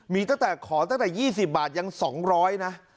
มีตั้งแต่ขอตั้งแต่๒๐บาทยัง๒๐๐นะ